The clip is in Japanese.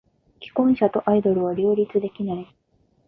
既婚者とアイドルは両立できない。